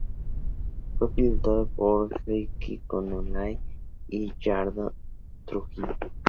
Fue pilotado por Heikki Kovalainen y Jarno Trulli.